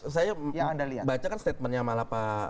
saya baca kan statementnya malah pak menteri